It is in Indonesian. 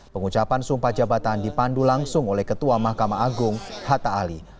pengucapan sumpah jabatan dipandu langsung oleh ketua mahkamah agung hatta ali